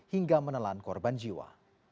hingga menelan korban jiwa